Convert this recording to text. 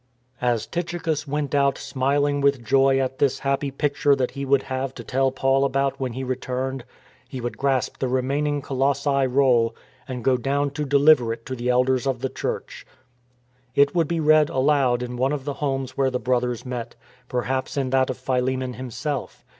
As Tychicus went out smiling with joy at this happy picture that he would have to tell Paul about when he returned, he would grasp the remaining Colos sae roll and go down to deliver it to the elders of the church. It would be read aloud in one of the homes where the Brothers met, perhaps in that of Philemon himself.